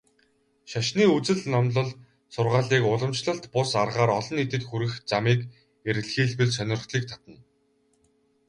Шашны үзэл номлол, сургаалыг уламжлалт бус аргаар олон нийтэд хүргэх замыг эрэлхийлбэл сонирхлыг татна.